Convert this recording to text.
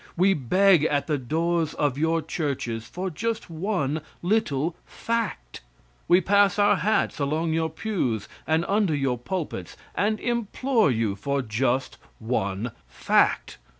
We beg at the doors of your churches for just one little fact. We pass our hats along your pews and under your pulpits and implore you for just one fact.